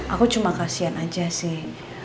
aku cuma kasian aja sih